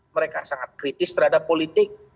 mereka sangat kritis terhadap politik